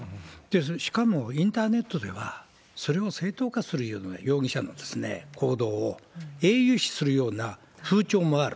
しかも、インターネットではそれを正当化するような容疑者の行動を英雄視するような風潮もある。